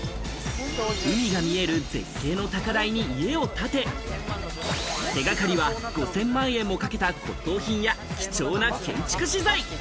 海が見える絶景の高台に家を建て、手掛かりは５０００万円もかけた骨董品や貴重な建築資材。